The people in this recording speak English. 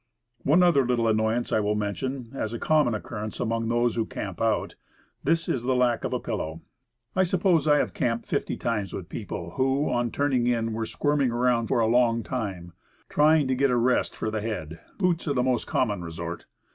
One other little annoyance I will mention, as a common occurrence among those who camp out; this is the lack of a pillow. I suppose I have camped fifty times with people, who, on turning in, were squirming around for a long time, trying to get a rest for the head. Boots are the most common resort.